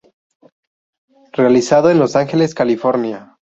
Realizado en Los Ángeles, California